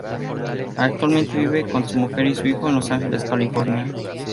Actualmente vive con su mujer y su hijo en Los Ángeles, California.